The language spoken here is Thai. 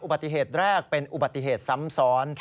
ปฏิเหตุแรกเป็นอุบัติเหตุซ้ำซ้อน